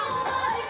oh my darling